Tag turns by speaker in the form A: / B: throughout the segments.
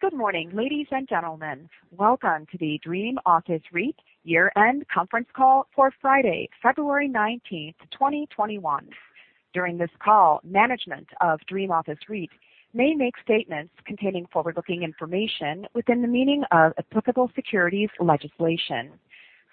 A: Good morning, ladies and gentlemen. Welcome to the Dream Office REIT year-end conference call for Friday, February 19th, 2021. During this call, management of Dream Office REIT may make statements containing forward-looking information within the meaning of applicable securities legislation.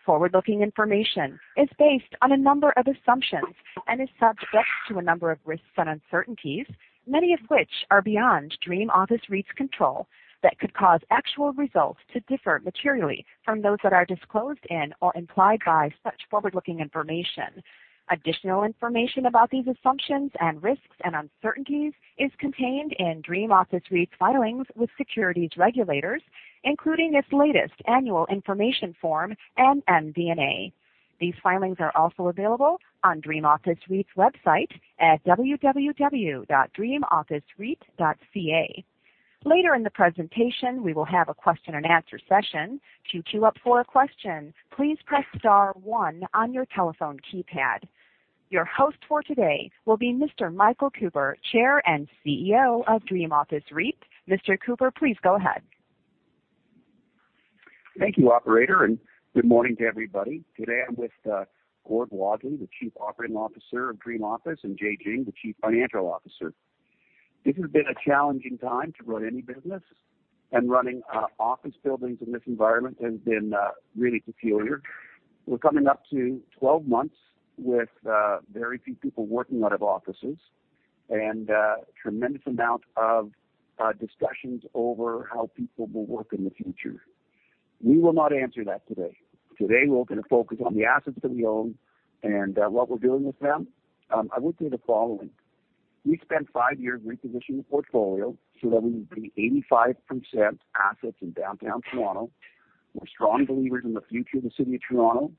A: Forward-looking information is based on a number of assumptions and is subject to a number of risks and uncertainties, many of which are beyond Dream Office REIT's control, that could cause actual results to differ materially from those that are disclosed in or implied by such forward-looking information. Additional information about these assumptions and risks and uncertainties is contained in Dream Office REIT's filings with securities regulators, including its latest annual information form, and MD&A. These filings are also available on Dream Office REIT's website at www.dreamofficereit.ca. Later in the presentation, we will have a question and answer session. To queue up for your question, please press star one on your telephone keypad. Your host for today will be Mr. Michael Cooper, Chair and CEO of Dream Office REIT. Mr. Cooper, please go ahead.
B: Thank you, operator, good morning to everybody. Today I'm with Gord Wadley, the Chief Operating Officer of Dream Office, and Jay Jiang, the Chief Financial Officer. This has been a challenging time to run any business, and running office buildings in this environment has been really peculiar. We're coming up to 12 months with very few people working out of offices and a tremendous amount of discussions over how people will work in the future. We will not answer that today. Today, we're going to focus on the assets that we own and what we're doing with them. I would say the following. We spent five years repositioning the portfolio so that we would be 85% assets in downtown Toronto. We're strong believers in the future of the city of Toronto.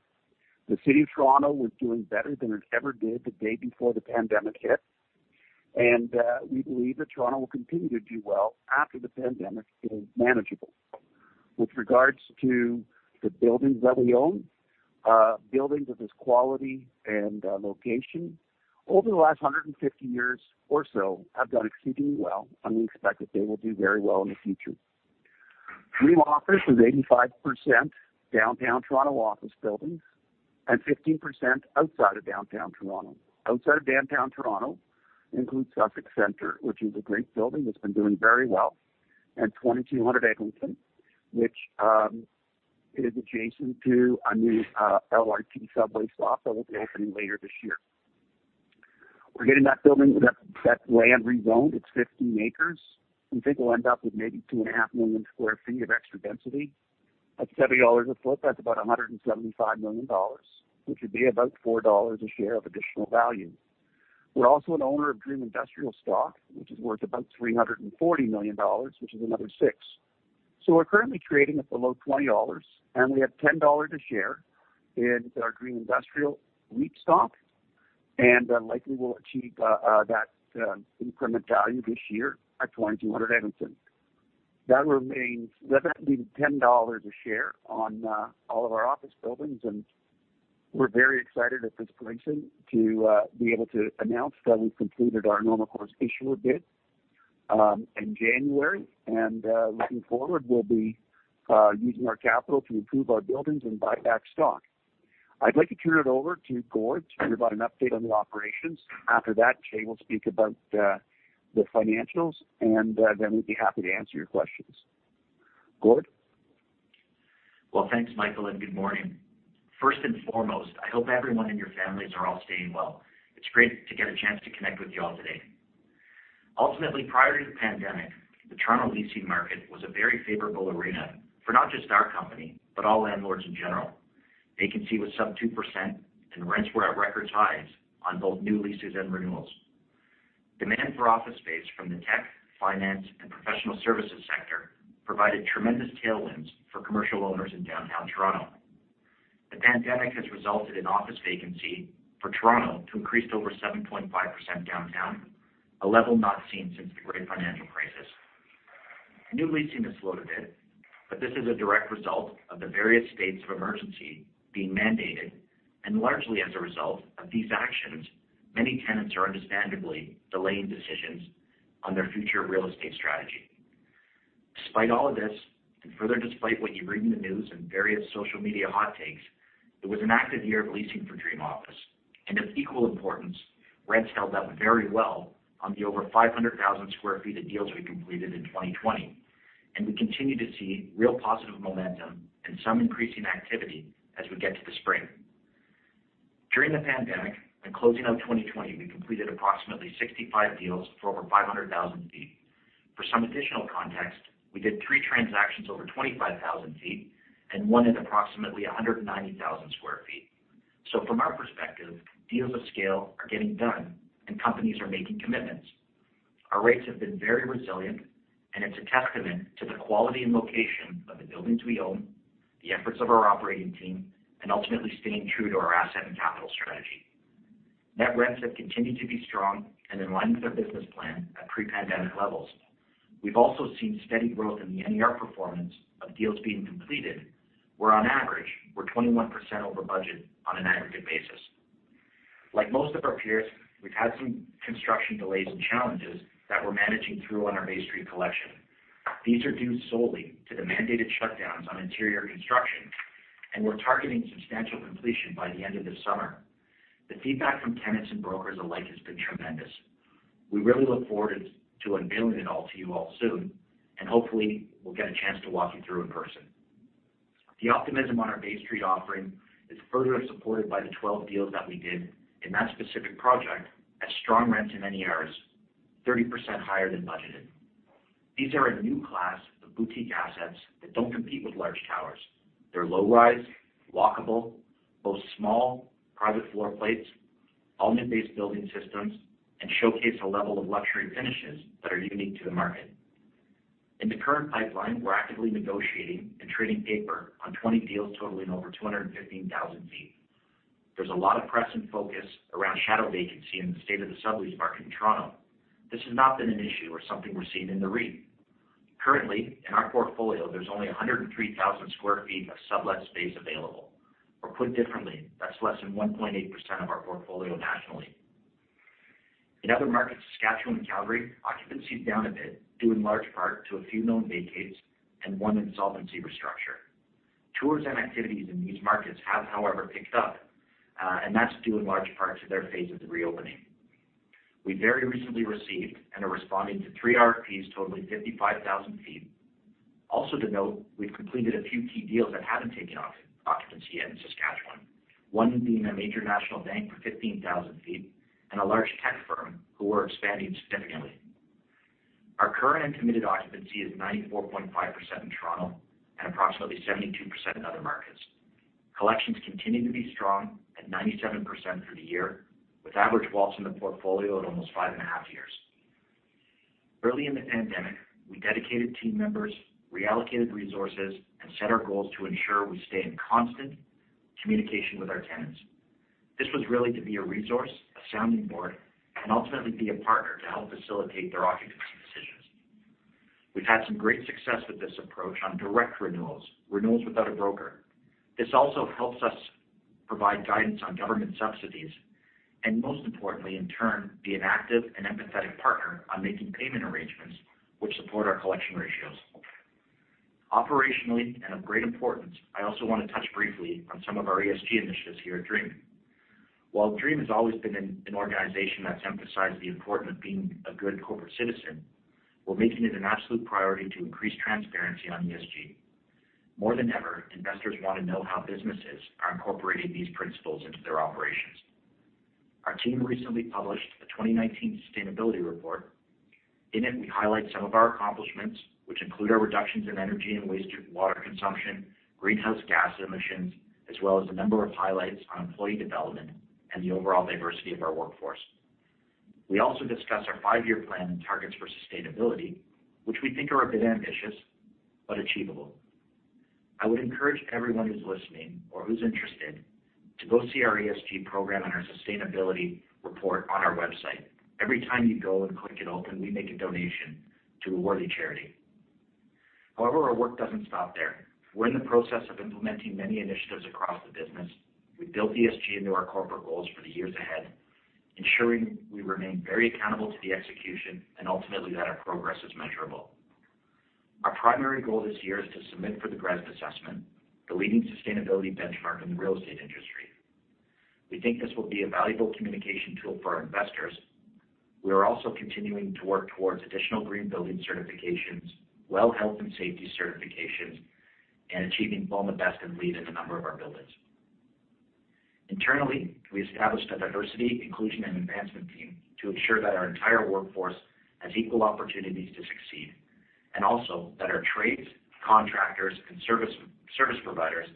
B: The city of Toronto was doing better than it ever did the day before the pandemic hit. We believe that Toronto will continue to do well after the pandemic is manageable. With regards to the buildings that we own, buildings of this quality and location over the last 150 years or so have done exceedingly well and we expect that they will do very well in the future. Dream Office is 85% downtown Toronto office buildings and 15% outside of downtown Toronto. Outside of downtown Toronto includes Sussex Centre, which is a great building that's been doing very well, and 2200 Eglinton, which is adjacent to a new LRT subway stop that will be opening later this year. We're getting that land rezoned. It's 50 acres. We think we'll end up with maybe 2.5 million square feet of extra density. At 70 dollars a foot, that's about 175 million dollars, which would be about 4 dollars a share of additional value. We're also an owner of Dream Industrial REIT stock, which is worth about 340 million dollars, which is another six. We're currently trading at below 20 dollars, and we have 10 dollars a share in our Dream Industrial REIT stock, and likely we'll achieve that increment value this year at 2200 Eglinton. That leaves 10 dollars a share on all of our office buildings. We're very excited at this point to be able to announce that we've completed our Normal Course Issuer Bid in January. Looking forward, we'll be using our capital to improve our buildings and buy back stock. I'd like to turn it over to Gord to provide an update on the operations. After that, Jay will speak about the financials, and then we'd be happy to answer your questions. Gord?
C: Well, thanks, Michael, and good morning. First and foremost, I hope everyone and your families are all staying well. It's great to get a chance to connect with you all today. Ultimately, prior to the pandemic, the Toronto leasing market was a very favorable arena for not just our company, but all landlords in general. Vacancy was sub 2%, and rents were at record highs on both new leases and renewals. Demand for office space from the tech, finance, and professional services sector provided tremendous tailwinds for commercial owners in downtown Toronto. The pandemic has resulted in office vacancy for Toronto to increase to over 7.5% downtown, a level not seen since the Great Financial Crisis. New leasing has slowed a bit, but this is a direct result of the various states of emergency being mandated. Largely as a result of these actions, many tenants are understandably delaying decisions on their future real estate strategy. Despite all of this, further despite what you read in the news and various social media hot takes, it was an active year of leasing for Dream Office. Of equal importance, rents held up very well on the over 500,000 sq ft of deals we completed in 2020. We continue to see real positive momentum and some increasing activity as we get to the spring. During the pandemic and closing out 2020, we completed approximately 65 deals for over 500,000 ft. For some additional context, we did three transactions over 25,000 ft and one at approximately 190,000 sq ft. From our perspective, deals of scale are getting done and companies are making commitments. Our rates have been very resilient, it's a testament to the quality and location of the buildings we own, the efforts of our operating team, and ultimately staying true to our asset and capital strategy. Net rents have continued to be strong and in line with our business plan at pre-pandemic levels. We've also seen steady growth in the NER performance of deals being completed, where on average we're 21% over budget on an aggregate basis. Like most of our peers, we've had some construction delays and challenges that we're managing through on our Bay Street Collection. These are due solely to the mandated shutdowns on interior construction, we're targeting substantial completion by the end of this summer. The feedback from tenants and brokers alike has been tremendous. We really look forward to unveiling it all to you all soon, and hopefully, we'll get a chance to walk you through in person. The optimism on our Bay Street Collection is further supported by the 12 deals that we did in that specific project at strong rents in many areas, 30% higher than budgeted. These are a new class of boutique assets that don't compete with large towers. They're low rise, walkable, both small private floor plates, element-based building systems, and showcase a level of luxury finishes that are unique to the market. In the current pipeline, we're actively negotiating and trading paper on 20 deals totaling over 215,000 ft. There's a lot of press and focus around shadow vacancy in the state of the sublease market in Toronto. This has not been an issue or something we're seeing in the REIT. Currently, in our portfolio, there's only 103,000 sq ft of sublet space available. Put differently, that's less than 1.8% of our portfolio nationally. In other markets, Saskatchewan and Calgary, occupancy is down a bit, due in large part to a few known vacates and one insolvency restructure. Tours and activities in these markets have, however, picked up, and that's due in large part to their phase of the reopening. We very recently received and are responding to three RFPs totaling 55,000 sq ft. To note, we've completed a few key deals that haven't taken occupancy yet in Saskatchewan. One being a major national bank for 15,000 sq ft and a large tech firm who are expanding significantly. Our current and committed occupancy is 94.5% in Toronto and approximately 72% in other markets. Collections continue to be strong at 97% through the year, with average WALT in the portfolio at almost five and a half years. Early in the pandemic, we dedicated team members, reallocated resources, and set our goals to ensure we stay in constant communication with our tenants. This was really to be a resource, a sounding board, and ultimately be a partner to help facilitate their occupancy decisions. We've had some great success with this approach on direct renewals without a broker. This also helps us provide guidance on government subsidies, and most importantly, in turn, be an active and empathetic partner on making payment arrangements which support our collection ratios. Operationally and of great importance, I also want to touch briefly on some of our ESG initiatives here at Dream. While Dream has always been an organization that's emphasized the importance of being a good corporate citizen, we are making it an absolute priority to increase transparency on ESG. More than ever, investors want to know how businesses are incorporating these principles into their operations. Our team recently published a 2019 sustainability report. In it, we highlight some of our accomplishments, which include our reductions in energy and waste water consumption, greenhouse gas emissions, as well as a number of highlights on employee development and the overall diversity of our workforce. We also discuss our five-year plan and targets for sustainability, which we think are a bit ambitious but achievable. I would encourage everyone who is listening or who is interested to go see our ESG program and our sustainability report on our website. Every time you go and click it open, we make a donation to a worthy charity. However, our work doesn't stop there. We're in the process of implementing many initiatives across the business. We built ESG into our corporate goals for the years ahead, ensuring we remain very accountable to the execution and ultimately that our progress is measurable. Our primary goal this year is to submit for the GRESB assessment, the leading sustainability benchmark in the real estate industry. We think this will be a valuable communication tool for our investors. We are also continuing to work towards additional green building certifications, well health and safety certifications, and achieving BOMA BEST and LEED in a number of our buildings. Internally, we established a diversity, inclusion, and advancement team to ensure that our entire workforce has equal opportunities to succeed, and also that our trades, contractors, and service providers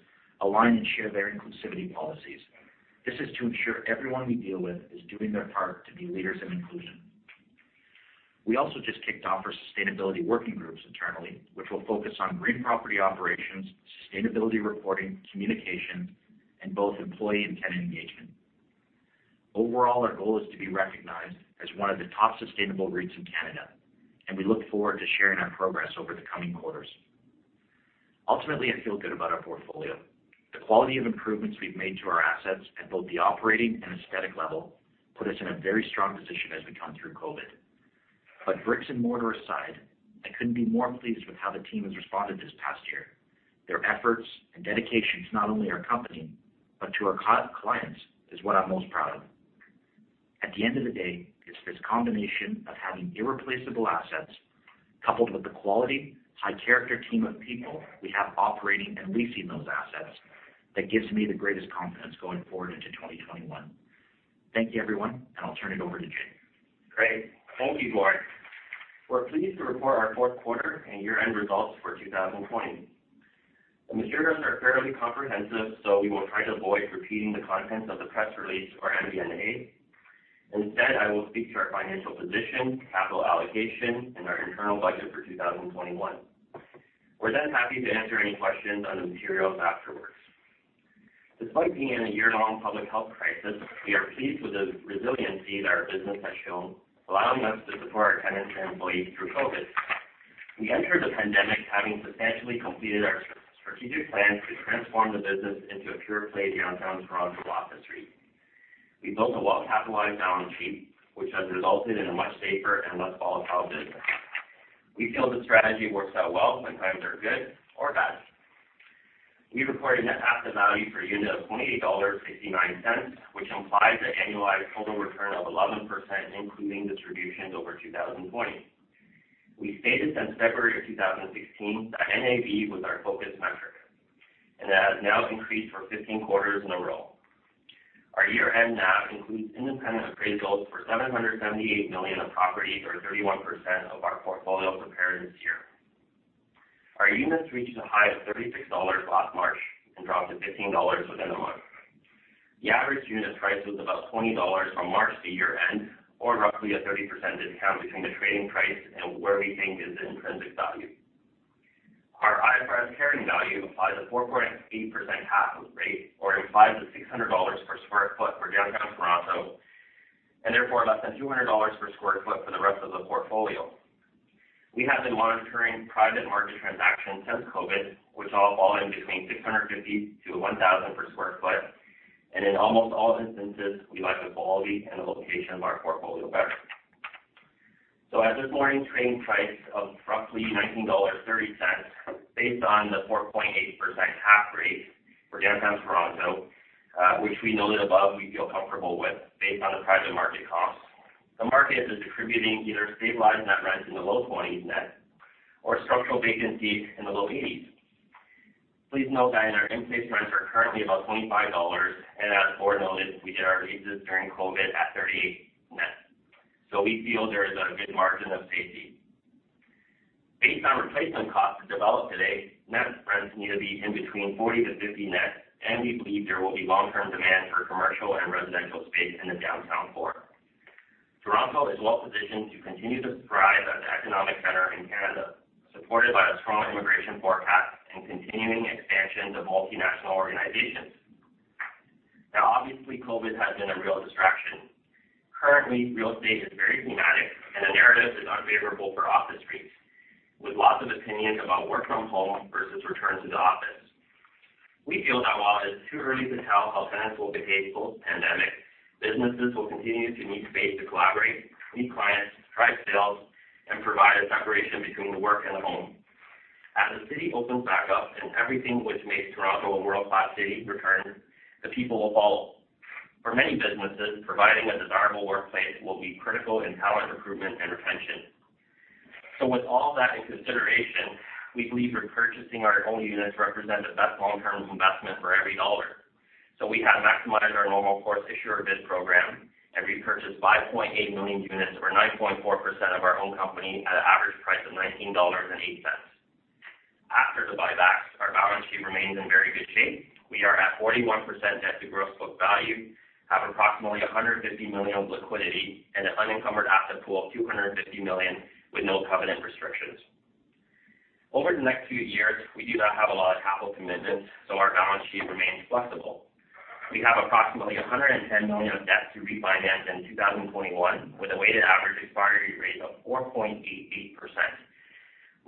C: align and share their inclusivity policies. This is to ensure everyone we deal with is doing their part to be leaders in inclusion. We also just kicked off our sustainability working groups internally, which will focus on green property operations, sustainability reporting, communication, and both employee and tenant engagement. Overall, our goal is to be recognized as one of the top sustainable REITs in Canada, and we look forward to sharing our progress over the coming quarters. Ultimately, I feel good about our portfolio. The quality of improvements we've made to our assets at both the operating and aesthetic level put us in a very strong position as we come through COVID. Bricks and mortar aside, I couldn't be more pleased with how the team has responded this past year. Their efforts and dedication to not only our company but to our clients is what I'm most proud of. At the end of the day, it's this combination of having irreplaceable assets coupled with the quality, high-character team of people we have operating and leasing those assets that gives me the greatest confidence going forward into 2021. Thank you, everyone, and I'll turn it over to Jay.
D: Great. Thank you, Gord. We're pleased to report our fourth quarter and year-end results for 2020. The materials are fairly comprehensive, so we will try to avoid repeating the contents of the press release or MD&A. Instead, I will speak to our financial position, capital allocation, and our internal budget for 2021. We are happy to answer any questions on the materials afterwards. Despite being in a year-long public health crisis, we are pleased with the resiliency that our business has shown, allowing us to support our tenants and employees through COVID. We entered the pandemic having substantially completed our strategic plan to transform the business into a pure play downtown Toronto office REIT. We built a well-capitalized balance sheet, which has resulted in a much safer and less volatile business. We feel the strategy works out well when times are good or bad. We reported net asset value per unit of 28.69 dollars, which implies an annualized total return of 11%, including distributions over 2020. We stated since February of 2016 that NAV was our focus metric, and it has now increased for 15 quarters in a row. Our year-end NAV includes independent appraisals for 778 million of property, or 31% of our portfolio prepared this year. Our units reached a high of 36 dollars last March and dropped to 15 dollars within a month. The average unit price was about 20 dollars from March to year-end, or roughly a 30% discount between the trading price and where we think is the intrinsic value. Our IFRS carrying value implies a 4.8% cap rate, or implies a 600 dollars per square foot for downtown Toronto, and therefore less than 200 dollars per square foot for the rest of the portfolio. We have been monitoring private market transactions since COVID, which all fall in between 650-1,000 per square feet. In almost all instances, we like the quality and the location of our portfolio better. At this morning's trading price of roughly 19.30 dollars, based on the 4.8% cap rate for Downtown Toronto, which we noted above we feel comfortable with based on the private market comps. The market is distributing either stabilized net rents in the low 20s net or structural vacancies in the low 80s. Please note that our in-place rents are currently about 25 dollars, and as Gord noted, we did our leases during COVID at 38 net. We feel there is a good margin of safety. Based on replacement costs to develop today, net rents need to be in between 40 to 50 net, and we believe there will be long-term demand for commercial and residential space in the downtown core. Toronto is well-positioned to continue to thrive as the economic center in Canada, supported by a strong immigration forecast and continuing expansion to multinational organizations. Obviously, COVID has been a real distraction. Currently, real estate is very thematic, and the narrative is unfavorable for office REITs, with lots of opinion about work from home versus return to the office. We feel that while it's too early to tell how tenants will behave post-pandemic, businesses will continue to need space to collaborate, meet clients, drive sales, and provide a separation between work and home. As the city opens back up and everything which makes Toronto a world-class city returns, the people will follow. For many businesses, providing a desirable workplace will be critical in talent recruitment and retention. With all that in consideration, we believe repurchasing our own units represent the best long-term investment for every dollar. We have maximized our Normal Course Issuer Bid program and repurchased 5.8 million units or 9.4% of our own company at an average price of 19.08 dollars. After the buybacks, our balance sheet remains in very good shape. We are at 41% debt to gross book value, have approximately 150 million of liquidity, and an unencumbered asset pool of 250 million with no covenant restrictions. Over the next few years, we do not have a lot of capital commitments, so our balance sheet remains flexible. We have approximately 110 million of debt to refinance in 2021 with a weighted average expiry rate of 4.88%.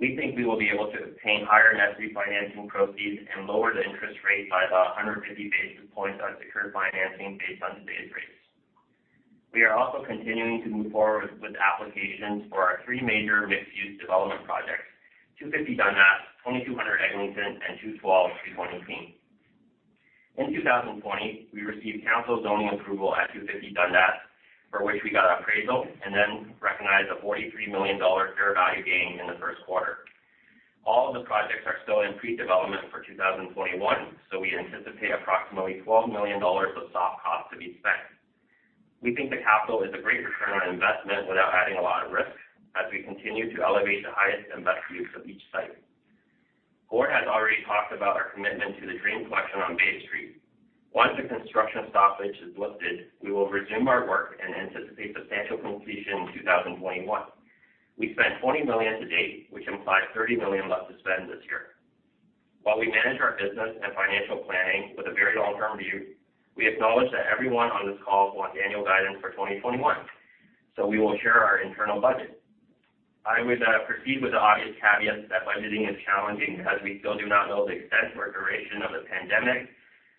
D: We think we will be able to obtain higher net refinancing proceeds and lower the interest rate by about 150 basis points on secured financing based on today's rates. We are also continuing to move forward with applications for our three major mixed-use development projects, 250 Dundas, 2200 Eglinton, and 212 320 King. In 2020, we received council zoning approval at 250 Dundas, for which we got appraisal and then recognized a 43 million dollar fair value gain in the first quarter. All the projects are still in pre-development for 2021. We anticipate approximately 12 million dollars of soft costs to be spent. We think the capital is a great return on investment without adding a lot of risk as we continue to elevate the highest and best use of each site. Gord has already talked about our commitment to the Dream Collection on Bay Street. Once the construction stoppage is lifted, we will resume our work and anticipate substantial completion in 2021. We spent 20 million to date, which implies 30 million left to spend this year. While we manage our business and financial planning with a very long-term view, we acknowledge that everyone on this call want annual guidance for 2021. We will share our internal budget. I would proceed with the obvious caveat that budgeting is challenging because we still do not know the extent or duration of the pandemic,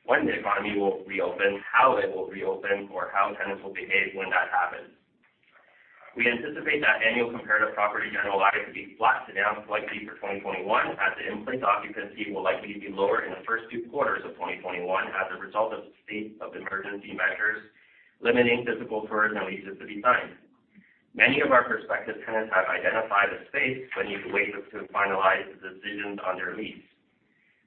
D: when the economy will reopen, how it will reopen, or how tenants will behave when that happens. We anticipate that annual comparative property general liability to be flat to down slightly for 2021, as the in-place occupancy will likely be lower in the first two quarters of 2021 as a result of state of emergency measures limiting physical tours and leases to be signed. Many of our prospective tenants have identified a space but need to wait to finalize the decisions on their lease.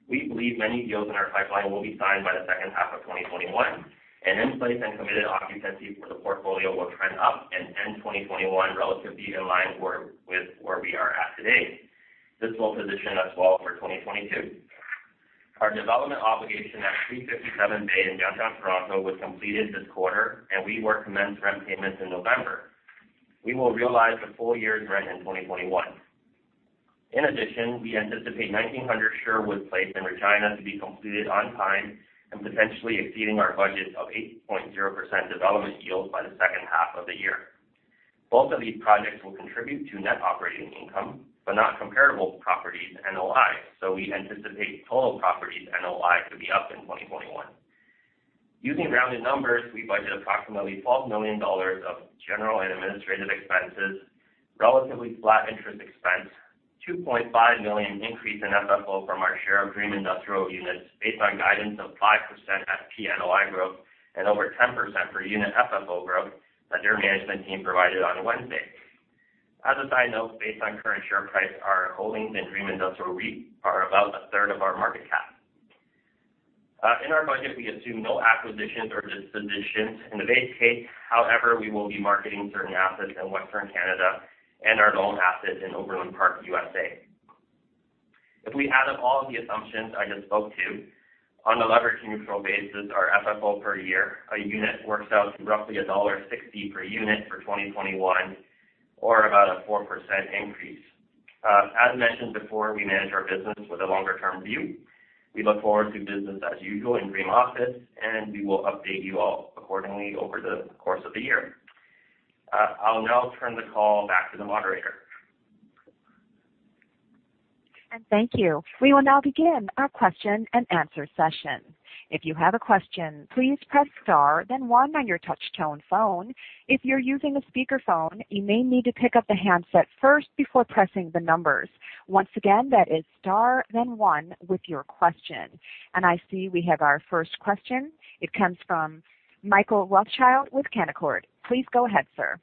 D: We believe many deals in our pipeline will be signed by the second half of 2021, and in-place and committed occupancy for the portfolio will trend up and end 2021 relatively in line with where we are at today. This will position us well for 2022. Our development obligation at 357 Bay in downtown Toronto was completed this quarter, and we will commence rent payments in November. We will realize the full year's rent in 2021. In addition, we anticipate 1,900 Sherwood Place in Regina to be completed on time and potentially exceeding our budget of 8.0% development yield by the second half of the year. Both of these projects will contribute to net operating income, but not comparable property NOI. We anticipate total properties NOI to be up in 2021. Using rounded numbers, we budget approximately 12 million dollars of general and administrative expenses, relatively flat interest expense, 2.5 million increase in FFO from our share of Dream Industrial REIT units based on guidance of 5% FFO NOI growth and over 10% per unit FFO growth that their management team provided on Wednesday. As a side note, based on current share price, our holdings in Dream Industrial REIT are about a third of our market cap. In our budget, we assume no acquisitions or dispositions in the base case. However, we will be marketing certain assets in Western Canada and our loan asset in Overland Park, U.S.A. If we add up all of the assumptions I just spoke to, on a leverage-neutral basis, our FFO per year a unit works out to roughly dollar 1.60 per unit for 2021, or about a 4% increase. As mentioned before, we manage our business with a longer-term view. We look forward to business as usual in Dream Office, and we will update you all accordingly over the course of the year. I'll now turn the call back to the moderator.
A: Thank you. We will now begin our question and answer session. If you have a question, please press star then one on your touch-tone phone. If you're using a speakerphone, you may need to pick up the handset first before pressing the numbers. Once again, that is star then one with your question. I see we have our first question. It comes from Mark Rothschild with Canaccord. Please go ahead, sir.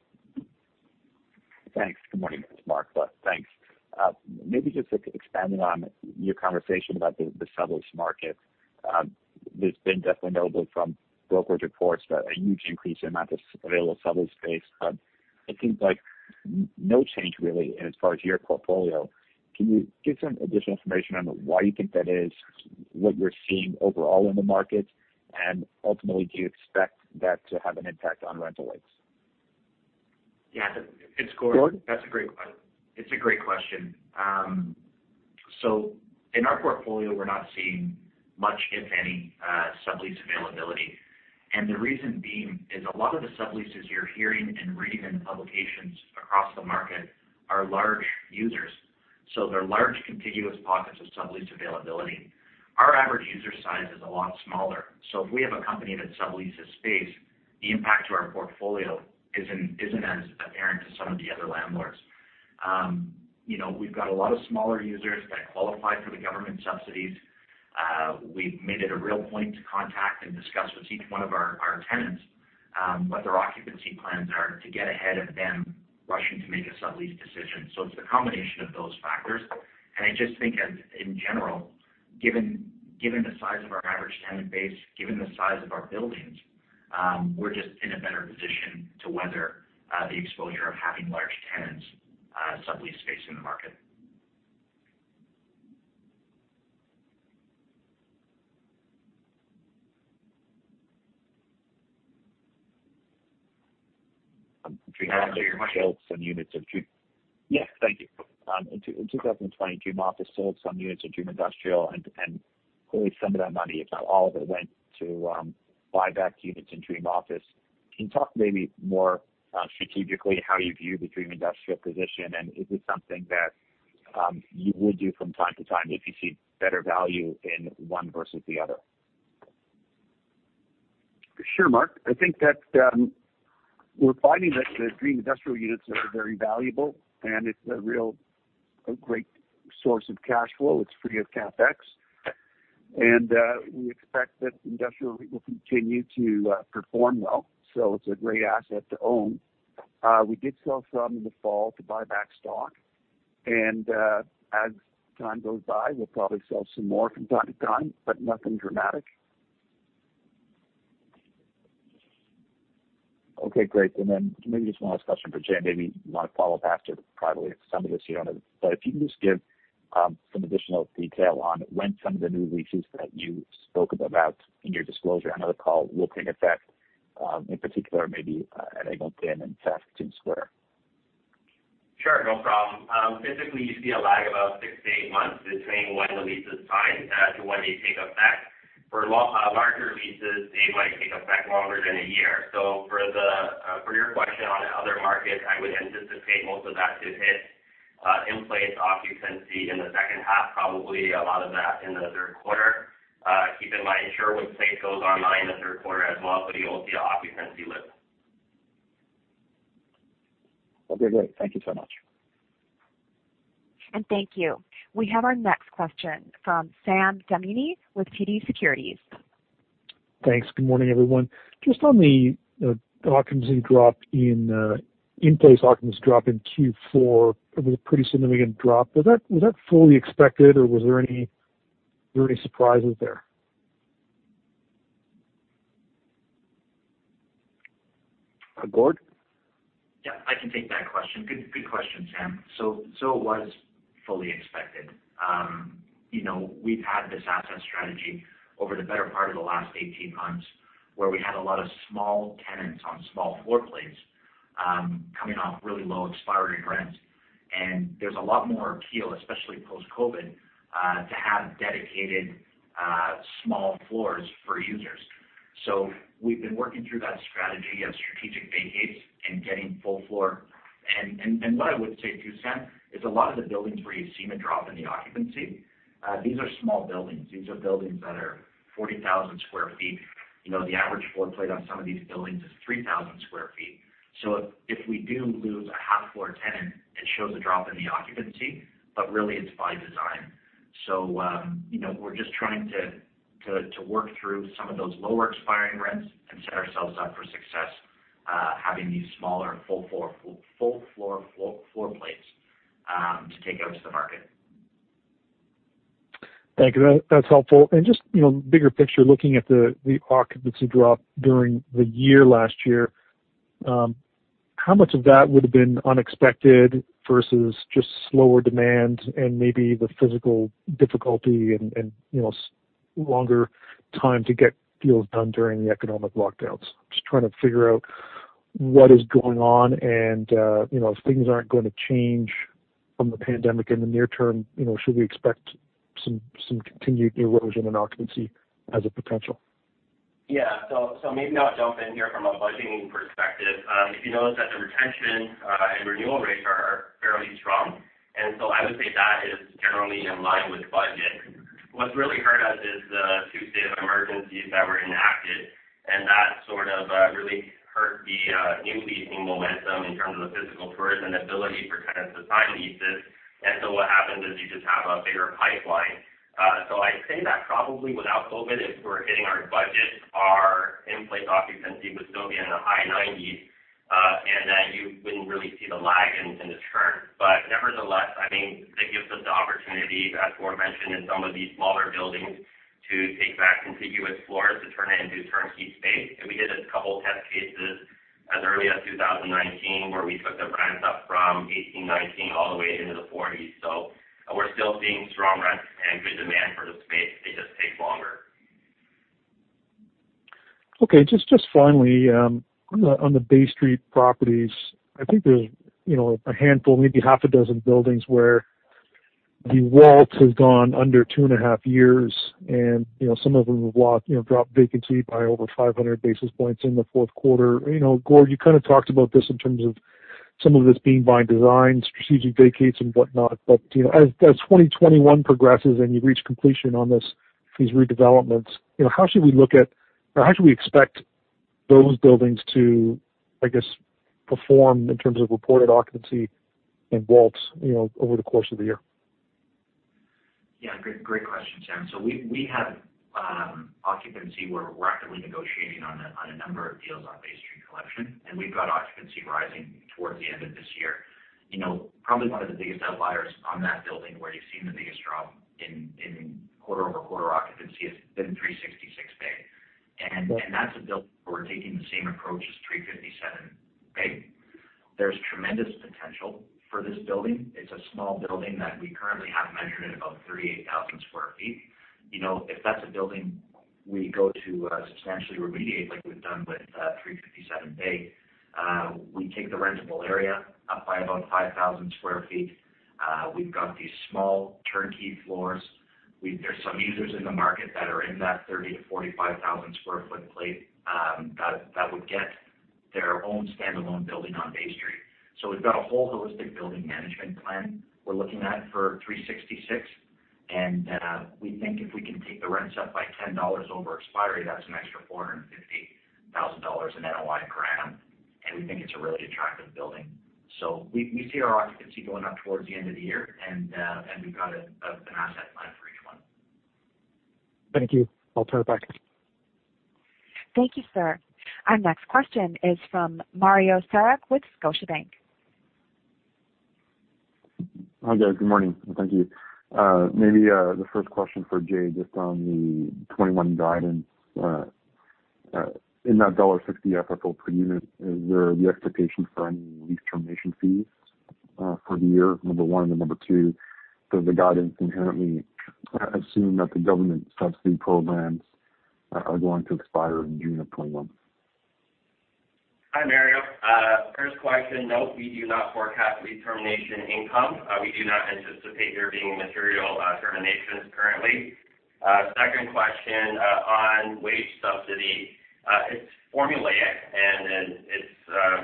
E: Thanks. Good morning. It's Mark. Thanks. Maybe just expanding on your conversation about the sublease market. There's been definitely notable from brokerage reports about a huge increase in amount of available sublease space. It seems like no change, really, as far as your portfolio. Can you give some additional information on why you think that is, what you're seeing overall in the market? Ultimately, do you expect that to have an impact on rental rates?
C: Yeah. It's Gordon.
B: Gordon.
C: That's a great question. It's a great question. In our portfolio, we're not seeing much, if any, sublease availability. The reason being is a lot of the subleases you're hearing and reading in publications across the market are large users. They're large contiguous pockets of sublease availability. Our average user size is a lot smaller. If we have a company that subleases space, the impact to our portfolio isn't as apparent to some of the other landlords. We've got a lot of smaller users that qualify for the government subsidies. We've made it a real point to contact and discuss with each one of our tenants what their occupancy plans are to get ahead of them rushing to make a sublease decision. It's a combination of those factors, and I just think in general, given the size of our average tenant base, given the size of our buildings, we're just in a better position to weather the exposure of having large tenants sublease space in the market.
E: Yes. Thank you. In 2020, Dream Office sold some units of Dream Industrial, clearly some of that money, if not all of it, went to buy back units in Dream Office. Can you talk maybe more strategically how you view the Dream Industrial position? Is it something that you would do from time to time if you see better value in one versus the other?
B: Sure, Mark. I think that we're finding that the Dream Industrial units are very valuable, and it's a real great source of cash flow. It's free of CapEx, and we expect that Industrial REIT will continue to perform well. It's a great asset to own. We did sell some in the fall to buy back stock, and as time goes by, we'll probably sell some more from time to time, but nothing dramatic.
E: Okay, great. Maybe just one last question for Jay. Maybe you want to follow up after privately with some of this here. If you can just give some additional detail on when some of the new leases that you spoke about in your disclosure on the call will take effect, in particular, maybe at 1110 and Saskatoon Square.
D: Sure. No problem. Typically, you see a lag about six to eight months between when the lease is signed to when they take effect. For larger leases, they might take effect longer than one year. For your question on other markets, I would anticipate most of that to hit in-place occupancy in the second half, probably a lot of that in the third quarter. Keep in mind, Sherwood Place goes online in the third quarter as well, so you will see an occupancy lift.
E: Okay, great. Thank you so much.
A: Thank you. We have our next question from Sam Damiani with TD Securities.
F: Thanks. Good morning, everyone. Just on the occupancy drop in-place occupancy drop in Q4, it was a pretty significant drop. Was that fully expected, or were there any surprises there?
B: Gord?
C: Yeah, I can take that question. Good question, Sam. It was fully expected. We've had this asset strategy over the better part of the last 18 months where we had a lot of small tenants on small floor plates coming off really low expiry rents. There's a lot more appeal, especially post-COVID, to have dedicated small floors for users. We've been working through that strategy of strategic vacates and getting full floor. What I would say too, Sam, is a lot of the buildings where you've seen a drop in the occupancy, these are small buildings. These are buildings that are 40,000 sq ft. The average floor plate on some of these buildings is 3,000 sq ft. If we do lose a half-floor tenant, it shows a drop in the occupancy, but really it's by design. We're just trying to work through some of those lower expiring rents and set ourselves up for success, having these smaller full floor plates to take out to the market.
F: Thank you. That's helpful. Just bigger picture, looking at the occupancy drop during the year last year, how much of that would've been unexpected versus just slower demand and maybe the physical difficulty and longer time to get deals done during the economic lockdowns? Just trying to figure out what is going on and, if things aren't going to change from the pandemic in the near term, should we expect some continued erosion in occupancy as a potential?
D: Yeah. Maybe I'll jump in here from a budgeting perspective. If you notice that the retention, and renewal rates are fairly strong, I would say that is generally in line with budget. What's really hurt us is the two state of emergencies that were enacted, really hurt the new leasing momentum in terms of the physical tours and ability for tenants to sign leases. What happens is you just have a bigger pipeline. I'd say that probably without COVID, if we were hitting our budget, our in-place occupancy would still be in the high 90s, and that you wouldn't really see the lag and the churn. Nevertheless, I think it gives us the opportunity, as Gord mentioned, in some of these smaller buildings, to take back contiguous floors to turn it into turnkey space. We did a couple test cases as early as 2019, where we took the rents up from 18, 19, all the way into the CAD 40s. We're still seeing strong rents and good demand for the space. They just take longer.
F: Okay. Just finally, on the Bay Street properties, I think there's a handful, maybe half a dozen buildings where the WALT has gone under two and a half years and some of them have dropped vacancy by over 500 basis points in the fourth quarter. Gord, you kind of talked about this in terms of some of this being by design, strategic vacates and whatnot. As 2021 progresses and you reach completion on these redevelopments, how should we expect those buildings to perform in terms of reported occupancy and WALTs over the course of the year?
C: Great question, Sam. We have occupancy where we are actively negotiating on a number of deals on Bay Street Collection, and we have occupancy rising towards the end of this year. Probably one of the biggest outliers on that building where you have seen the biggest drop in quarter-over-quarter occupancy has been 366 Bay. That is a building where we are taking the same approach as 357 Bay. There is tremendous potential for this building. It is a small building that we currently have measured at about 38,000 sq ft. If that is a building we go to substantially remediate, like we have done with 357 Bay, we take the rentable area up by about 5,000 sq ft. We have got these small turnkey floors. There are some users in the market that are in that 30,000 sq ft-45,000 sq ft plate, that would get their own standalone building on Bay Street. We've got a whole holistic building management plan we're looking at for 366. We think if we can take the rents up by 10 dollars over expiry, that's an extra 450,000 dollars in NOI per annum, and we think it's a really attractive building. We see our occupancy going up towards the end of the year and we've got an asset plan for each one.
F: Thank you. I'll turn it back.
A: Thank you, sir. Our next question is from Mario Saric with Scotiabank.
G: Hi, guys. Good morning and thank you. Maybe the first question for Jay, just on the 2021 guidance. In that dollar 1.60 FFO per unit, is there the expectation for any lease termination fees for the year, number one? Number two, does the guidance inherently assume that the government subsidy programs are going to expire in June 2021?
D: Hi, Mario. First question, no, we do not forecast lease termination income. We do not anticipate there being material terminations currently. Second question, on wage subsidy, it's formulaic and then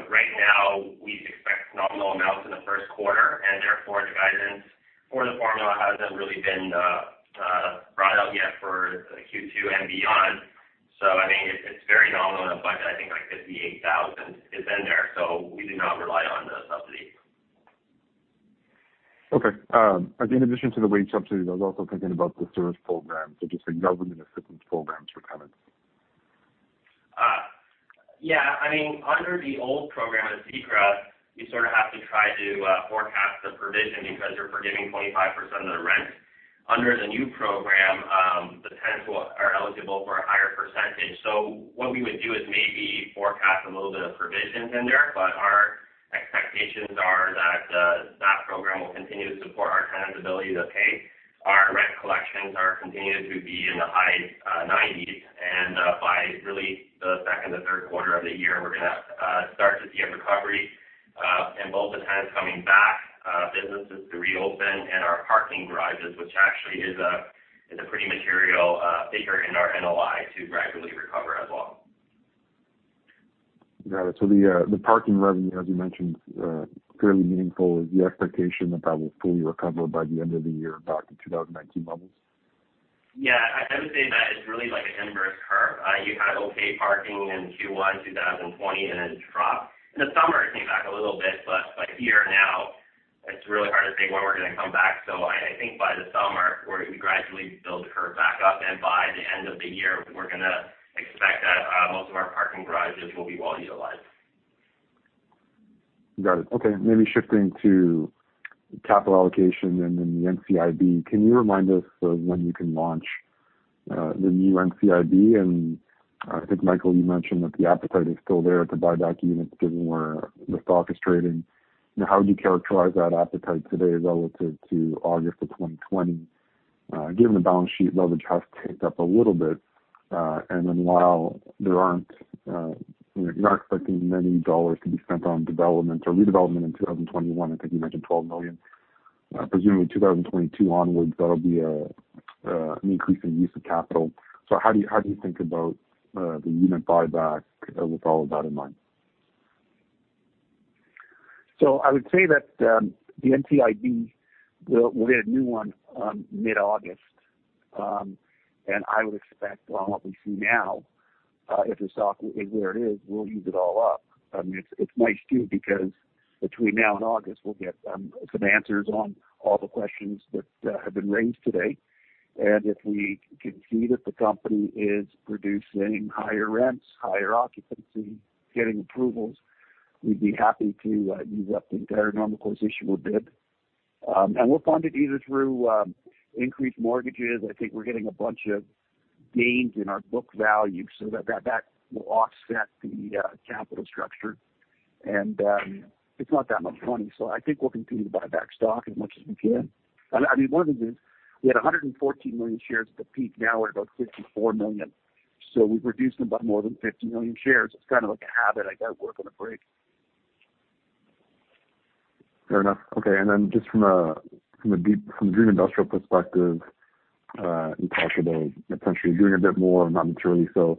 D: right now we expect nominal amounts in the first quarter and therefore the guidance for the formula hasn't really been brought out yet for Q2 and beyond. I think it's very nominal in a budget. I think like 58,000 is in there. We do not rely on the subsidy.
G: Okay. In addition to the wage subsidy, I was also thinking about the CERB program, just the government assistance programs for tenants.
D: Yeah, under the old program with CECRA, you sort of have to try to forecast the provision because you're forgiving 25% of the rent. Under the new program, the tenants are eligible for a higher percentage. What we would do is maybe forecast a little bit of provisions in there, but our expectations are that that program will continue to support our tenants' ability to pay. Our rent collections are continuing to be in the high 90s. By really the second or third quarter of the year, we're going to start to see a recovery. Both the tenants coming back, businesses to reopen, and our parking garages, which actually is a pretty material figure in our NOI to gradually recover as well.
G: Got it. The parking revenue, as you mentioned, fairly meaningful. Is the expectation that that will fully recover by the end of the year back to 2019 levels?
D: Yeah. I would say that is really like an inverse curve. You had okay parking in Q1 2020. Then it dropped. In the summer, it came back a little bit. By here now, it's really hard to say when we're going to come back. I think by the summer we're going to gradually build the curve back up. By the end of the year, we're going to expect that most of our parking garages will be well-utilized.
G: Got it. Okay. Maybe shifting to capital allocation and the NCIB. Can you remind us of when you can launch the new NCIB? I think, Michael, you mentioned that the appetite is still there to buy back units given where the stock is trading. How would you characterize that appetite today relative to August 2020, given the balance sheet leverage has ticked up a little bit, while you're not expecting many dollars to be spent on development or redevelopment in 2021, I think you mentioned 12 million. Presumably 2022 onwards, that will be an increase in use of capital. How do you think about the unit buyback with all of that in mind?
B: I would say that the NCIB, we had a new one mid-August. I would expect on what we see now, if the stock is where it is, we'll use it all up. It's nice, too, because between now and August, we'll get some answers on all the questions that have been raised today. If we can see that the company is producing higher rents, higher occupancy, getting approvals, we'd be happy to use up the entire Normal Course Issuer Bid. We're funded either through increased mortgages. I think we're getting a bunch of gains in our book value so that will offset the capital structure. It's not that much money. I think we'll continue to buy back stock as much as we can. One of the things, we had 114 million shares at the peak, now we're about 54 million, so we've reduced them by more than 50 million shares. It's kind of like a habit I got working on a break.
G: Fair enough. Okay. Just from a Dream Industrial perspective, you talked about potentially doing a bit more, not materially so.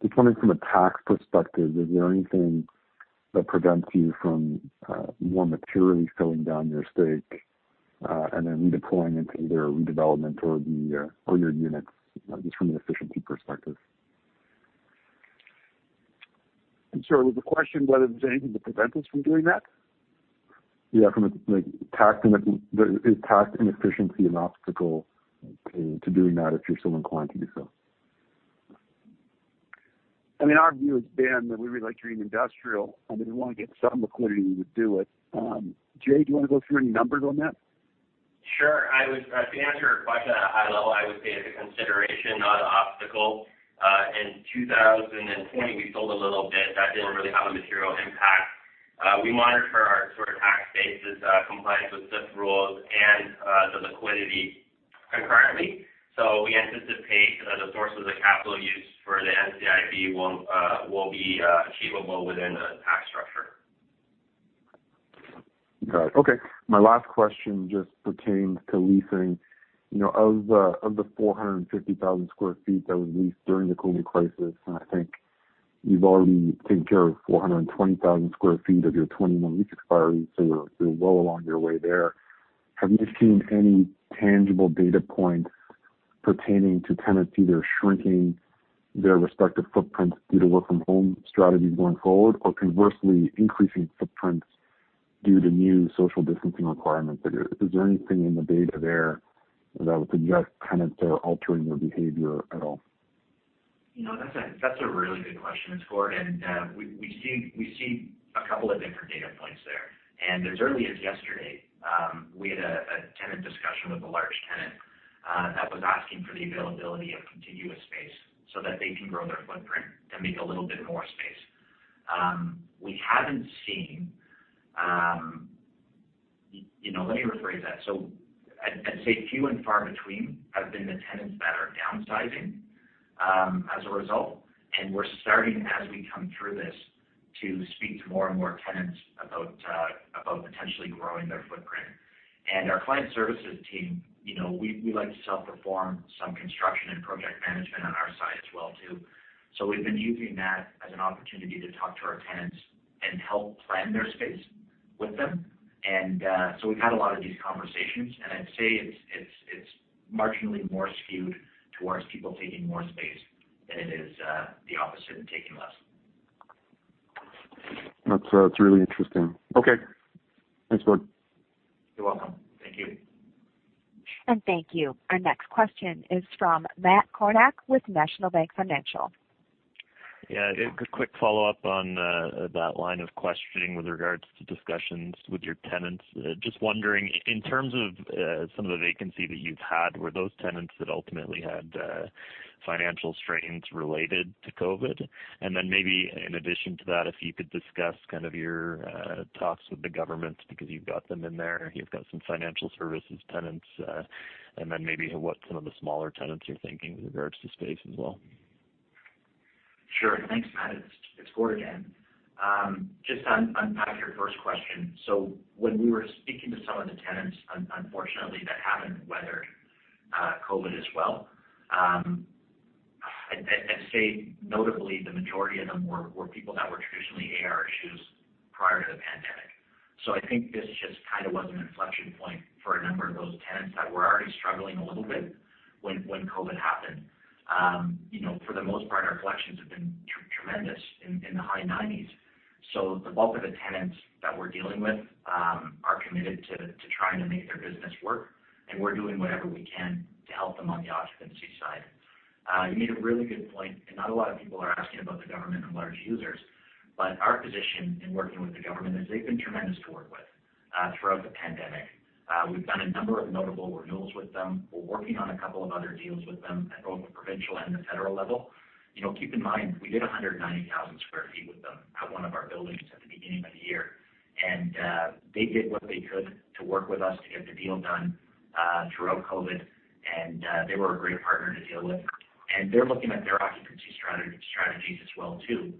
G: Just wondering from a tax perspective, is there anything that prevents you from more materially selling down your stake, and then redeploying into either redevelopment or your units just from an efficiency perspective?
B: I'm sorry. Was the question whether there's anything to prevent us from doing that?
G: Yeah. Is tax inefficiency an obstacle to doing that if you're so inclined to do so?
B: Our view has been that we really like Dream Industrial, and if we want to get some liquidity, we would do it. Jay, do you want to go through any numbers on that?
D: Sure. To answer your question at a high level, I would say it's a consideration, not an obstacle. In 2020, we sold a little bit that didn't really have a material impact. We monitor our sort of tax basis compliance with SIFT rules and the liquidity concurrently. We anticipate the sources of capital use for the NCIB will be achievable within a tax structure.
G: Got it. Okay. My last question just pertains to leasing. Of the 450,000 square feet that was leased during the COVID crisis, and I think you've already taken care of 420,000 square feet of your 2021 lease expiries, so you're well along your way there. Have you seen any tangible data points pertaining to tenants either shrinking their respective footprints due to work from home strategies going forward, or conversely, increasing footprints due to new social distancing requirements. Is there anything in the data there that would suggest tenants are altering their behavior at all?
C: That's a really good question, Gord. We see a couple of different data points there. As early as yesterday, we had a tenant discussion with a large tenant that was asking for the availability of contiguous space so that they can grow their footprint and make a little bit more space. Let me rephrase that. I'd say few and far between have been the tenants that are downsizing as a result, and we're starting, as we come through this, to speak to more and more tenants about potentially growing their footprint. Our client services team, we like to self-perform some construction and project management on our side as well, too. We've been using that as an opportunity to talk to our tenants and help plan their space with them. We've had a lot of these conversations, and I'd say it's marginally more skewed towards people taking more space than it is the opposite and taking less.
G: That's really interesting. Okay. Thanks, Gord.
C: You're welcome. Thank you.
A: Thank you. Our next question is from Matt Kornack with National Bank Financial.
H: Yeah. A quick follow-up on that line of questioning with regards to discussions with your tenants. Just wondering, in terms of some of the vacancy that you've had, were those tenants that ultimately had financial strains related to COVID? Then maybe in addition to that, if you could discuss kind of your talks with the governments because you've got them in there, you've got some financial services tenants, and then maybe what some of the smaller tenants are thinking with regards to space as well.
C: Sure. Thanks, Matt. It's Gord again. Just on unpack your first question. When we were speaking to some of the tenants, unfortunately, that haven't weathered COVID as well, I'd say notably, the majority of them were people that were traditionally AR issues prior to the pandemic. I think this just kind of was an inflection point for a number of those tenants that were already struggling a little bit when COVID happened. For the most part, our collections have been tremendous, in the high 90s. The bulk of the tenants that we're dealing with are committed to trying to make their business work, and we're doing whatever we can to help them on the occupancy side. You made a really good point, and not a lot of people are asking about the government and large users, but our position in working with the government is they've been tremendous to work with throughout the pandemic. We've done a number of notable renewals with them. We're working on a couple of other deals with them at both the provincial and the federal level. Keep in mind, we did 190,000 sq ft with them at one of our buildings at the beginning of the year. They did what they could to work with us to get the deal done throughout COVID, and they were a great partner to deal with. They're looking at their occupancy strategies as well, too,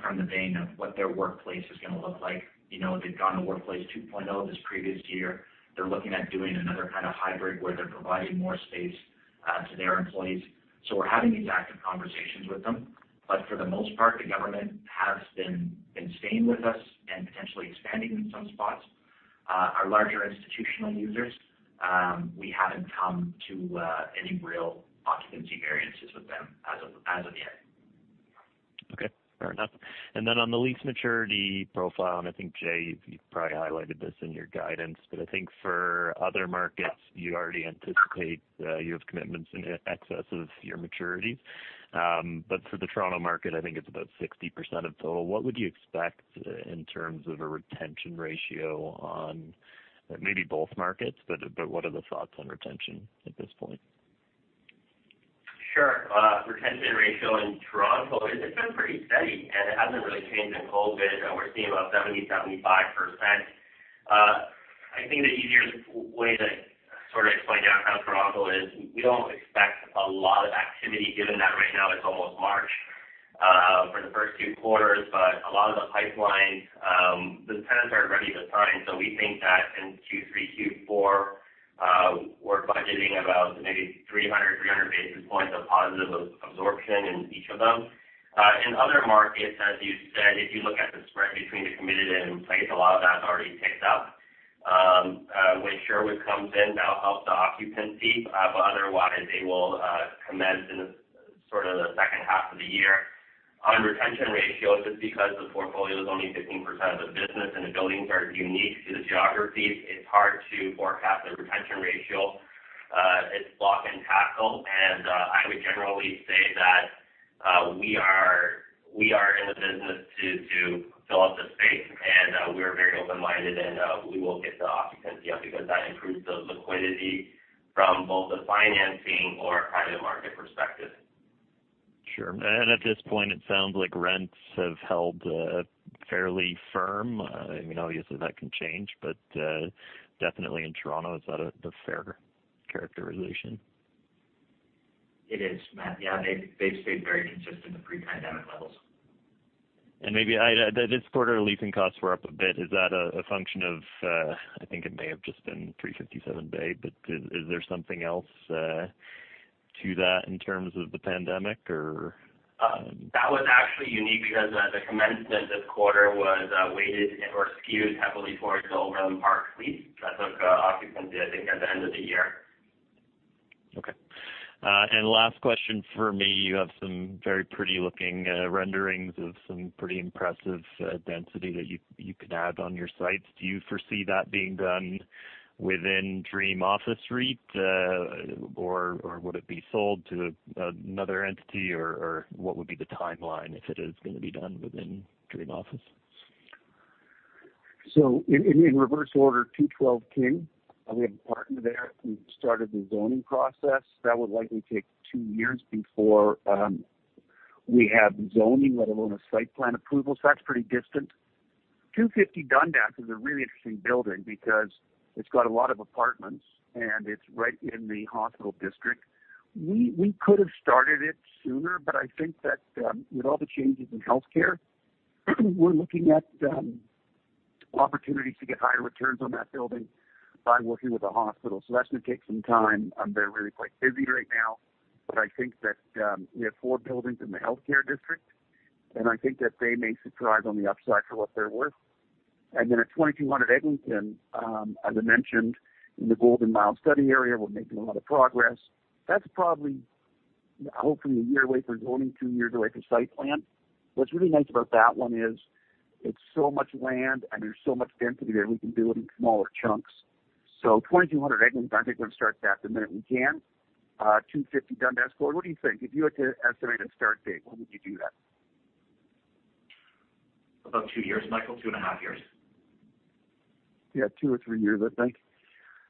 C: from the vein of what their workplace is going to look like. They've gone to Workplace 2.0 this previous year. They're looking at doing another kind of hybrid where they're providing more space to their employees. We're having these active conversations with them. For the most part, the government has been staying with us and potentially expanding in some spots. Our larger institutional users, we haven't come to any real occupancy variances with them as of yet.
H: Okay. Fair enough. On the lease maturity profile, and I think, Jay, you've probably highlighted this in your guidance. I think for other markets, you already anticipate you have commitments in excess of your maturities. For the Toronto market, I think it's about 60% of total. What would you expect in terms of a retention ratio on maybe both markets, but what are the thoughts on retention at this point?
D: Sure. Retention ratio in Toronto, it's been pretty steady, and it hasn't really changed in COVID, and we're seeing about 70%-75%. I think the easiest way to sort of explain downtown Toronto is we don't expect a lot of activity given that right now it's almost March for the first two quarters. A lot of the pipelines, the tenants are ready to sign. We think that in Q3, Q4, we're budgeting about maybe 300 basis points of positive absorption in each of them. In other markets, as you said, if you look at the spread between the committed and in place, a lot of that's already picked up. When Sherwood comes in, that'll help the occupancy. Otherwise, they will commence in sort of the second half of the year. On retention ratios, just because the portfolio is only 15% of the business and the buildings are unique to the geographies, it's hard to forecast the retention ratio. It's block and tackle, and I would generally say that we are in the business to fill up the space, and we are very open-minded, and we will get the occupancy up because that improves those liquidity from both the financing or private market perspective.
H: Sure. At this point, it sounds like rents have held fairly firm. Obviously, that can change. Definitely in Toronto, is that a fair characterization?
D: It is, Matt. Yeah. They've stayed very consistent to pre-pandemic levels.
H: Maybe this quarter, leasing costs were up a bit. Is that a function of, I think it may have just been 357 Bay, but is there something else to that in terms of the pandemic or?
D: That was actually unique because the commencement this quarter was weighted or skewed heavily towards the Overland Park lease that took occupancy, I think, at the end of the year.
H: Okay. Last question from me. You have some very pretty-looking renderings of some pretty impressive density that you could add on your sites. Do you foresee that being done within Dream Office REIT? Would it be sold to another entity, or what would be the timeline if it is going to be done within Dream Office?
B: In reverse order, 212 King. We have a partner there. We've started the zoning process. That would likely take two years before we have zoning, let alone a site plan approval. That's pretty distant. 250 Dundas is a really interesting building because it's got a lot of apartments, and it's right in the hospital district. We could've started it sooner, but I think that with all the changes in healthcare, we're looking at opportunities to get higher returns on that building by working with the hospital. That's going to take some time. They're really quite busy right now. I think that we have four buildings in the healthcare district, and I think that they may surprise on the upside for what they're worth. At 2200 Eglinton, as I mentioned, in the Golden Mile study area, we're making a lot of progress. That's probably, hopefully, one year away for zoning, two years away for site plan. What's really nice about that one is it's so much land, and there's so much density there, we can do it in smaller chunks. 2,200 Eglinton, I think we'll start that the minute we can. 250 Dundas, Gord, what do you think? If you had to estimate a start date, when would you do that?
C: About two years, Michael. Two and a half years.
B: Yeah, two or three years, I think.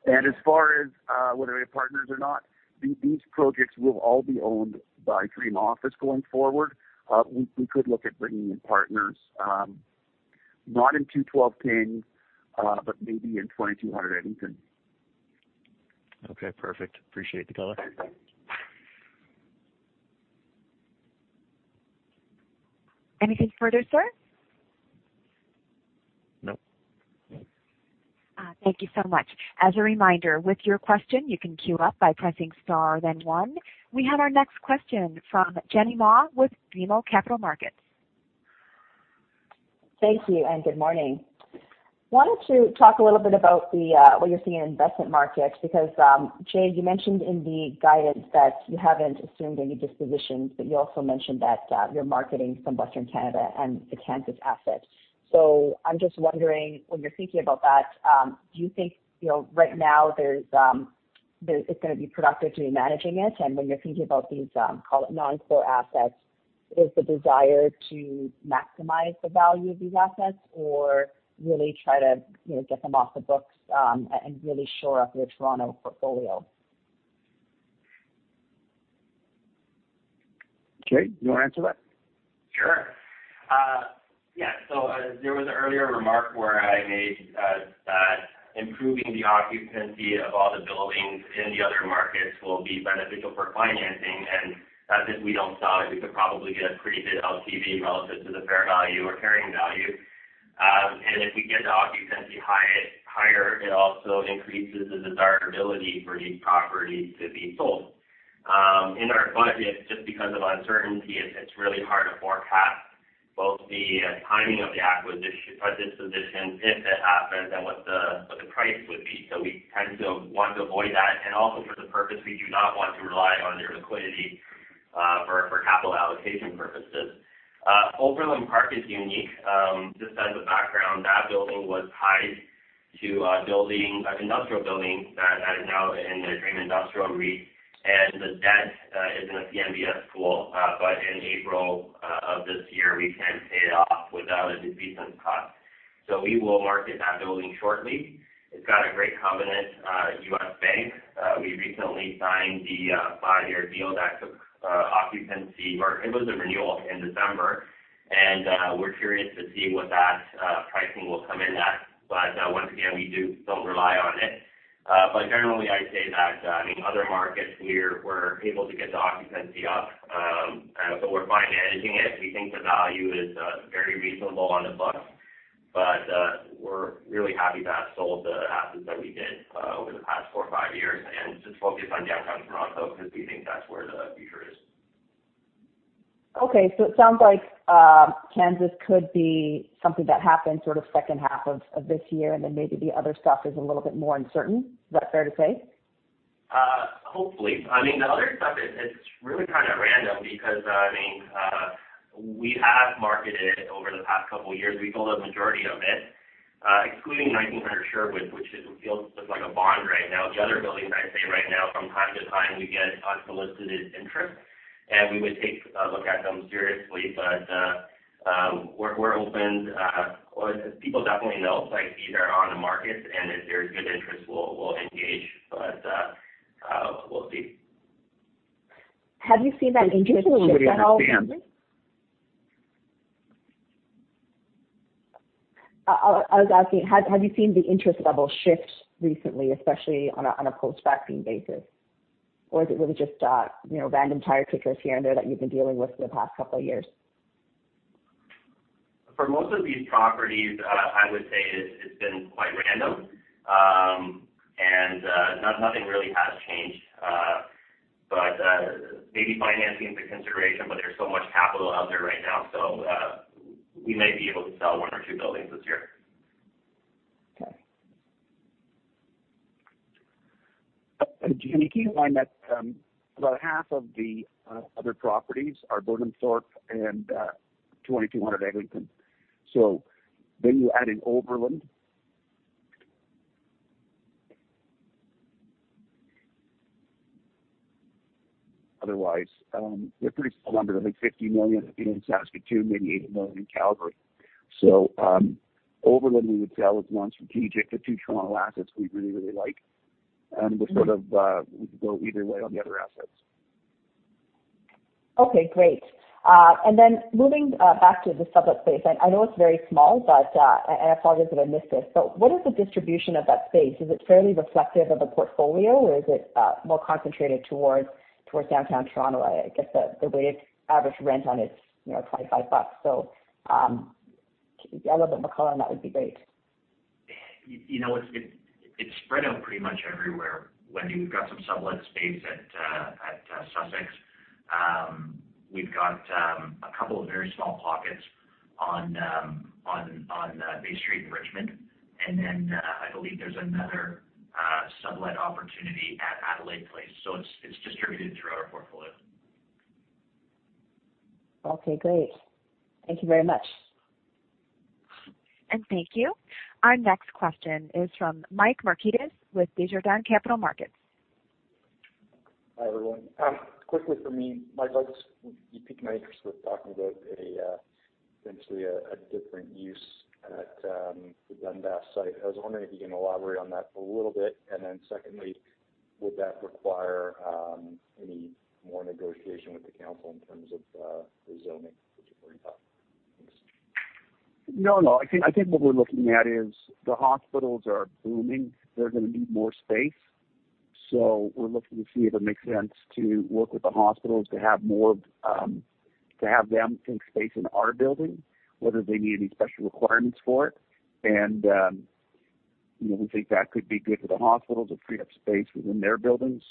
B: As far as whether we have partners or not, these projects will all be owned by Dream Office going forward. We could look at bringing in partners, not in 212 King but maybe in 2200 Eglinton.
H: Okay, perfect. Appreciate the call.
A: Anything further, sir?
H: No.
A: Thank you so much. As a reminder, with your question, you can queue up by pressing star then one. We have our next question from Jenny Ma with BMO Capital Markets.
I: Thank you. Good morning. I wanted to talk a little bit about what you're seeing in investment markets. Jay, you mentioned in the guidance that you haven't assumed any dispositions. You also mentioned that you're marketing some Western Canada and the Kansas assets. I'm just wondering, when you're thinking about that, do you think, right now it's going to be productive to be managing it? When you're thinking about these non-core assets, is the desire to maximize the value of these assets or really try to get them off the books, and really shore up your Toronto portfolio?
B: Jay, you want to answer that?
D: Sure. Yeah. There was an earlier remark where I made that improving the occupancy of all the buildings in the other markets will be beneficial for financing, and that if we don't sell it, we could probably get a pretty good LTV relative to the fair value or carrying value. If we get the occupancy higher, it also increases the desirability for these properties to be sold. In our budget, just because of uncertainty, it's really hard to forecast both the timing of the dispositions, if that happens, and what the price would be. We tend to want to avoid that. Also for the purpose, we do not want to rely on their liquidity, for capital allocation purposes. Overland Park is unique. Just as a background, that building was tied to an industrial building that is now in the Dream Industrial REIT, and the debt is in a CMBS pool. In April of this year, we can pay it off without a defeasance cost. We will market that building shortly. It's got a great covenant, U.S. Bank. We recently signed the five-year deal that's occupancy, or it was a renewal in December. We're curious to see what that pricing will come in at. Once again, we don't rely on it. Generally, I'd say that, in other markets we're able to get the occupancy up. We're fine managing it. We think the value is very reasonable on the books. We're really happy that sold the assets that we did over the past four or five years and just focus on downtown Toronto because we think that's where the future is.
I: It sounds like CECRA could be something that happens sort of second half of this year, and then maybe the other stuff is a little bit more uncertain. Is that fair to say?
D: Hopefully. The other stuff, it's really kind of random because we have marketed over the past couple of years. We sold a majority of it, excluding 1900 Sherwood, which feels just like a bond right now. The other buildings, I'd say right now from time to time, we get unsolicited interest, and we would take a look at them seriously. We're open. People definitely know these are on the market, and if there's good interest, we'll engage. We'll see.
I: Have you seen that interest shift at all recently?
B: I think everybody understands.
I: I was asking, have you seen the interest level shift recently, especially on a post-vaccine basis? Is it really just random tire kickers here and there that you've been dealing with for the past couple of years?
D: For most of these properties, I would say it's been quite random. Nothing really has changed. Maybe financing is a consideration, but there's so much capital out there right now, so we may be able to sell one or two buildings this year.
I: Okay.
B: Jenny, keep in mind that about half of the other properties are Burnhamthorpe and 2,200 Eglinton. You add in Overland. Otherwise, they're pretty small numbers, I think 50 million would be in Saskatoon, maybe 80 million in Calgary. Overland we would sell as non-strategic. The two Toronto assets we really, really like. We're sort of, we could go either way on the other assets.
I: Okay, great. Moving back to the sublet space, I know it's very small, but, and I apologize if I missed this, but what is the distribution of that space? Is it fairly reflective of the portfolio, or is it more concentrated towards downtown Toronto? I guess the weighted average rent on it is 25 bucks. A little bit more color on that would be great.
C: It's spread out pretty much everywhere. We've got some sublet space at Sussex. We've got a couple of very small pockets on Bay Street and Richmond. I believe there's another sublet opportunity at Adelaide Place. It's distributed throughout our portfolio.
I: Okay, great. Thank you very much.
A: Thank you. Our next question is from Mike Markidis with Desjardins Capital Markets.
J: Hi, everyone. Quickly from me, Mike, you piqued my interest with talking about potentially a different use at the Dundas site. I was wondering if you can elaborate on that a little bit? Secondly, would that require any more negotiation with the council in terms of the zoning, which you bring up? Thanks.
B: I think what we're looking at is the hospitals are booming. They're going to need more space. We're looking to see if it makes sense to work with the hospitals to have them take space in our building, whether they need any special requirements for it. We think that could be good for the hospitals. It'll free up space within their buildings.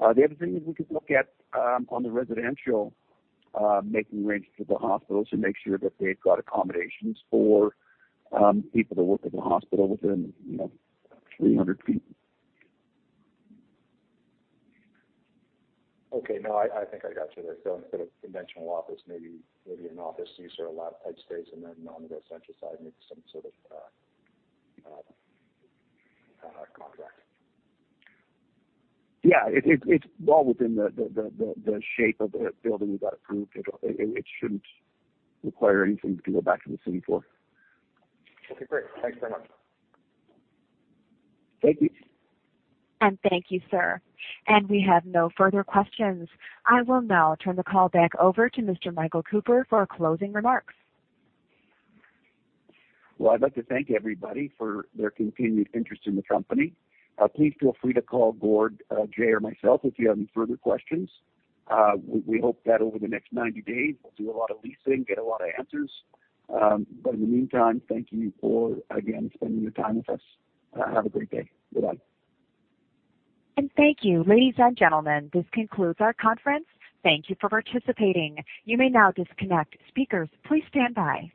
B: The other thing is we could look at, on the residential, making arrangements with the hospitals to make sure that they've got accommodations for people that work at the hospital within 300 ft.
J: Okay. No, I think I got you there. Instead of conventional office, maybe an office use or a lab-type space and then on the central side, maybe some sort of contract.
B: Yeah. It's well within the shape of the building we got approved. It shouldn't require anything to go back to the city for.
J: Okay, great. Thanks very much.
B: Thank you.
A: Thank you, sir. We have no further questions. I will now turn the call back over to Mr. Michael Cooper for our closing remarks.
B: Well, I'd like to thank everybody for their continued interest in the company. Please feel free to call Gord, Jay, or myself if you have any further questions. We hope that over the next 90 days, we'll do a lot of leasing, get a lot of answers. In the meantime, thank you for, again, spending your time with us. Have a great day. Goodbye.
A: And thank you. Ladies and gentlemen, this concludes our conference. Thank you for participating. You may now disconnect. Speakers, please stand by.